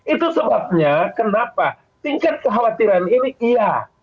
itu sebabnya kenapa tingkat kekhawatiran ini iya